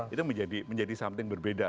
itu menjadi something berbeda